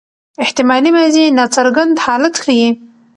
احتمالي ماضي ناڅرګند حالت ښيي.